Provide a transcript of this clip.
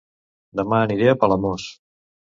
Dema aniré a Palamós